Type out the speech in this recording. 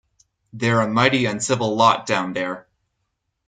They're a mighty uncivil lot down there.